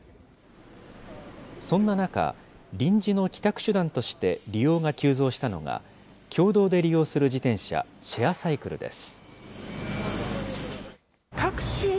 そんな中、臨時の帰宅手段として利用が急増したのが、共同で利用する自転車、シェアサイクルです。